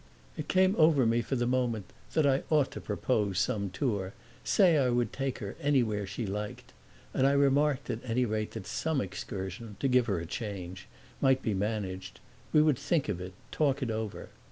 It came over me for the moment that I ought to propose some tour, say I would take her anywhere she liked; and I remarked at any rate that some excursion to give her a change might be managed: we would think of it, talk it over.